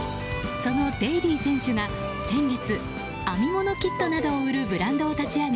そのデイリー選手が先月、編み物キットなどを売るブランドを立ち上げ